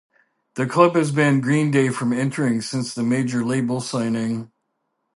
The club has banned Green Day from entering since the major label signing.